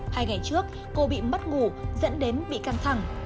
hai ngày trước cô bị mất ngủ dẫn đến bị căng thẳng